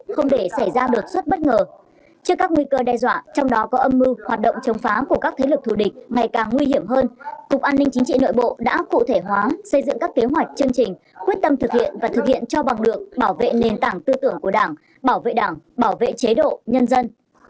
không để xảy ra đột xuất bất ngờ trước các nguy cơ đe dọa trong đó có âm mưu hoạt động chống phá của các thế lực thù địch ngày càng nguy hiểm hơn cục an ninh chính trị nội bộ đã cụ thể hóa xây dựng các kế hoạch chương trình quyết tâm thực hiện và thực hiện cho bằng được bảo vệ nền tảng tư tưởng của đảng bảo vệ đảng bảo vệ chế độ nhân dân